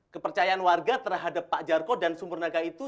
kepercayaan warga terhadap pak charco dan sumur raga itu